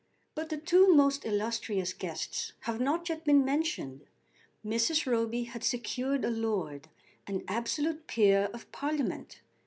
But the two most illustrious guests have not yet been mentioned. Mrs. Roby had secured a lord, an absolute peer of Parliament!